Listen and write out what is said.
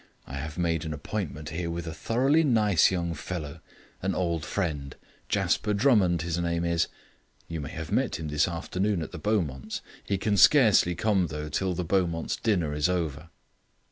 "I have made an appointment here with a thoroughly nice young fellow. An old friend. Jasper Drummond his name is you may have met him this afternoon at the Beaumonts. He can scarcely come though till the Beaumonts' dinner is over."